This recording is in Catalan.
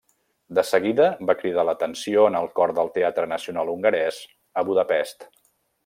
De seguida va cridar l'atenció en el cor del Teatre Nacional Hongarès a Budapest.